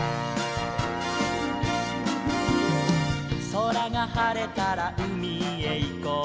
「そらがはれたらうみへいこうよ」